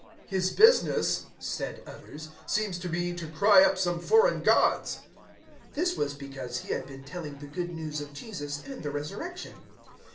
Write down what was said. "His business," said others, "seems to be to cry up some foreign gods." This was because he had been telling the Good News of Jesus and the Resurrection.